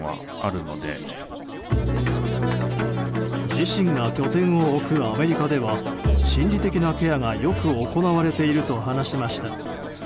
自身が拠点を置くアメリカでは心理的なケアがよく行われていると話しました。